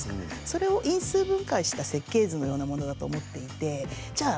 それを因数分解した設計図のようなものだと思っていてじゃあ